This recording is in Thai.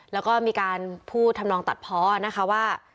แล้วก็มีการพูดทำนองตัดเพาะนะคะว่า